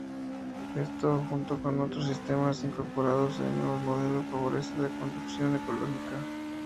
Esto, junto a otros sistemas incorporados en el modelo, favorece la conducción ecológica.